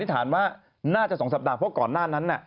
พิธานว่าน่าจะ๒สัปดาห์เพราะก่อนนั้นน่ะ